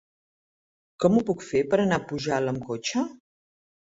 Com ho puc fer per anar a Pujalt amb cotxe?